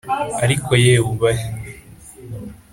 ariko yewe uba he,